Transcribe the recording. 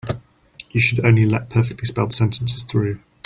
You should only let perfectly spelled sentences through.